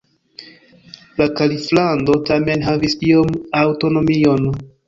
La kaliflando tamen havis iom aŭtonomion.